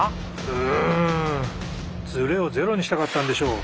うんズレをゼロにしたかったんでしょう。